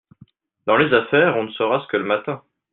Dans les affaires, on ne se rase que le matin !